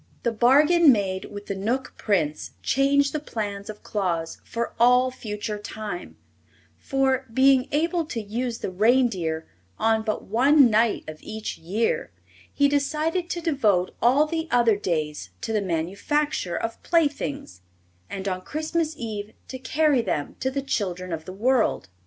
The bargain made with the Knook Prince changed the plans of Claus for all future time; for, being able to use the reindeer on but one night of each year, he decided to devote all the other days to the manufacture of playthings, and on Christmas Eve to carry them to the children of the world.